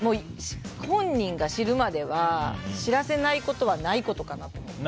本人が知るまでは知らせないことはないことかなと思って。